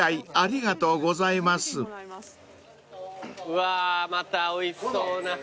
うわまたおいしそうな。